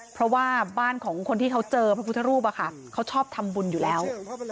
เพราะว่าบ้านของคนที่เขาเจอพระพุทธรูปเขาชอบทำบุญอยู่แล้ว